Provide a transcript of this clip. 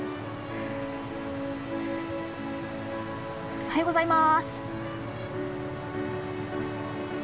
おはようございます。